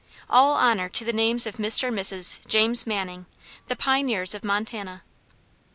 All honor to the names of Mr. and Mrs. James Manning, the pioneers of Montana.